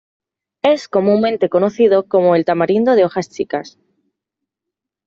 Es comúnmente conocido como el tamarindo de hojas chicas.